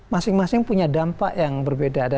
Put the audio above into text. masing masing punya dampak yang berbeda